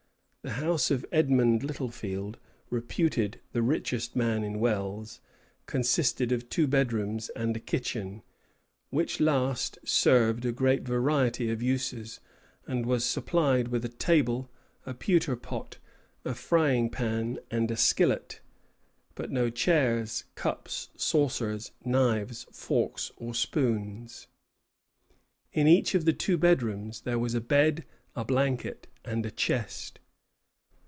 The house of Edmond Littlefield, reputed the richest man in Wells, consisted of two bedrooms and a kitchen, which last served a great variety of uses, and was supplied with a table, a pewter pot, a frying pan, and a skillet; but no chairs, cups, saucers, knives, forks, or spoons. In each of the two bedrooms there was a bed, a blanket, and a chest.